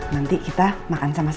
nanti kita makan sama sama